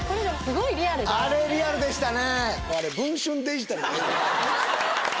あれリアルでしたね